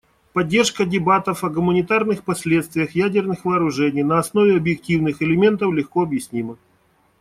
Поддержка дебатов о гуманитарных последствиях ядерных вооружений на основе объективных элементов легко объяснима.